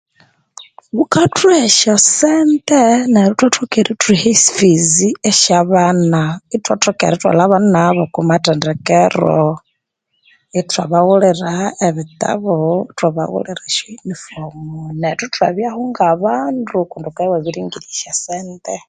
Bukathuha esyosente neryo ithwathoka erithuha effizi esyaban ithwathoka erithwalha abana bokumatendekero ithwabaghulira ebittabo ithwabaghulira eayo yuniffomu nethu ithwabyaho ngabandu kundi ghukabya iwabiringirya esyosente